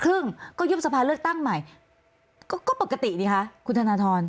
ครึ่งก็ยุบสภาเลือกตั้งใหม่ก็ปกติดิคะคุณธนทร